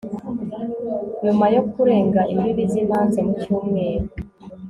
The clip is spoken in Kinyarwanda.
nyuma yo kurenga imbibi z'imanza mu cyumweru